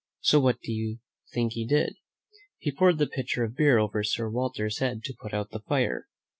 So what do you think he did? He poured the pitcher of beer over Sir Walter's head to put out the fire.